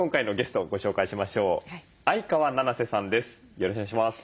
よろしくお願いします。